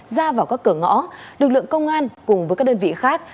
ra vào các cửa ngõ lực lượng công an cùng với các đơn vị khác